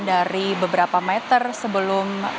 dari beberapa meter sebelum